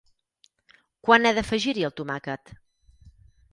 Quan he d'afegir-hi el tomàquet?